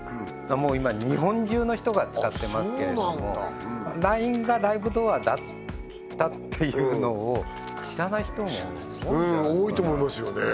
もう今日本中の人が使ってますけれどもＬＩＮＥがライブドアだったっていうのを知らない人も多いんじゃないですかね